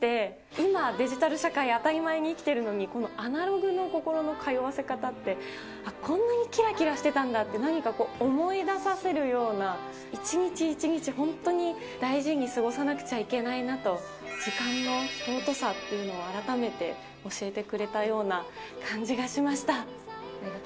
今、デジタル社会を当たり前に生きているのに、このアナログの心の通わせ方って、こんなにきらきらしてたんだって、何かこう、思い出させるような、一日一日、本当に大事に過ごさなくちゃいけないなと、時間の尊さっていうのを、改めて教えてくれたような感じがしました。